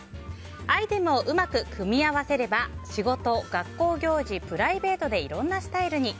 アイテムをうまく組み合わせれば仕事、学校行事プライベートでいろんなスタイルに。